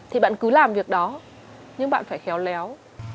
thì bạn cứ làm việc đó nhưng bạn phải khéo léo